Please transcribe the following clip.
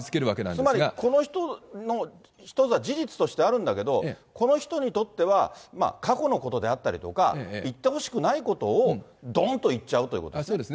つまりこの人の事実としてあるんだけど、この人にとっては、過去のことであったりとか、言ってほしくないことをどーんと言っちゃうっていうことですね。